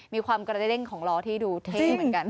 มีความกระเด้งของล้อที่ดูเท่เหมือนกัน